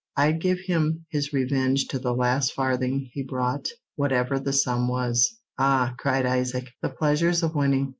I'd give him his revenge to the last farthing he brought, whatever the sum was." "Ah," cried Isaac; "the pleasures of winning!